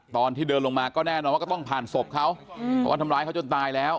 ตอนที่เดินลงมาก็แน่นอนว่าก็ต้องผ่านศพเขาเพราะว่าทำร้ายเขาจนตายแล้ว